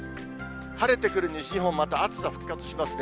晴れてくる西日本、また暑さ復活しますね。